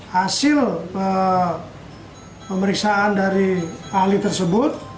hasil pemeriksaan dari ahli tersebut